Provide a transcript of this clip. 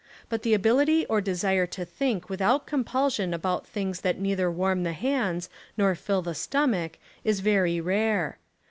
But the ability or desire to think without compulsion about things that neither warm the hands nor fill the stomach, is very rare.